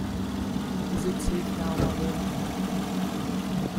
Is it safe now, mother?